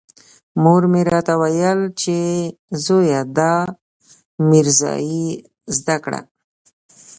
مور مې راته ويل چې زويه دا ميرزايي زده کړه.